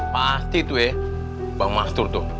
pasti tuh ya bang masur tuh